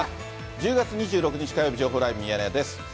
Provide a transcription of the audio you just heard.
１０月２６日火曜日、情報ライブミヤネ屋です。